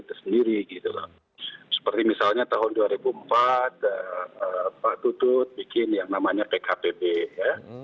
ya seperti misalnya tahun dua ribu empat pak tutut bikin yang namanya pkpb ya